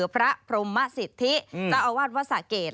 พระพรมสิทธิเจ้าอาวาสวัดสะเกด